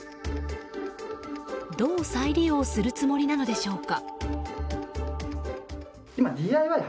どう再利用するつもりなのでしょうか。